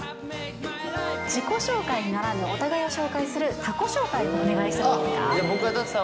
自己紹介ならぬお互いを紹介する他己紹介をお願いしていいですか。